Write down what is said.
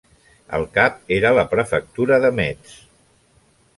El cap era la prefectura de Metz.